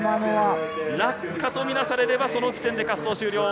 落下とみなされれば、その時点で滑走終了。